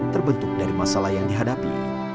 terbentuk dari masalah yang dihadapi